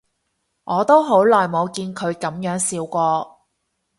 我都好耐冇見佢噉樣笑過